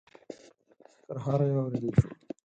خرهاری واورېدل شو.